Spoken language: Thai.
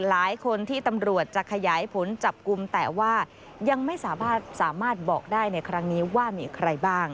หลายคนที่ตำรวจจะขยายผลจับกลุ่มแต่ว่ายังไม่สามารถบอกได้ในครั้งนี้ว่ามีใครบ้าง